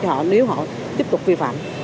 cho họ nếu họ tiếp tục vi phạm